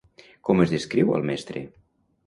Com es descriu al mestre?